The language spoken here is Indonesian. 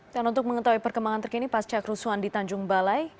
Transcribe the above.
dan untuk mengetahui perkembangan terkini pasca kerusuhan di tanjung balai